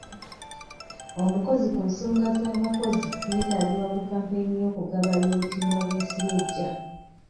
Omukozi ku nsonga z'abakozi yeetaagibwa ku kampeyini y'okugaba y'obutimba bw'ensiri ejja.